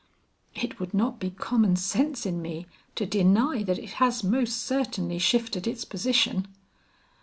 "It would not be common sense in me to deny that it has most certainly shifted its position."